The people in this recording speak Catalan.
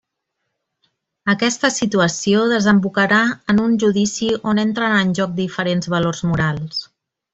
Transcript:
Aquesta situació desembocarà en un judici on entren en joc diferents valors morals.